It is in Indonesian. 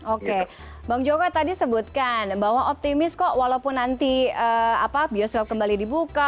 oke bang joko tadi sebutkan bahwa optimis kok walaupun nanti bioskop kembali dibuka